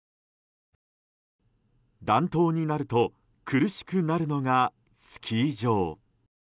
暖冬になると苦しくなるのがスキー場。